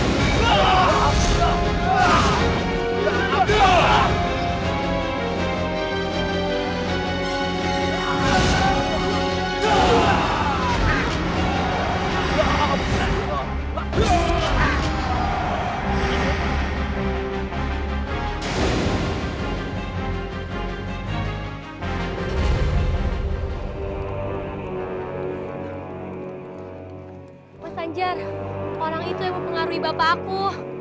mas ajar orang itu yang mempengaruhi bapak aku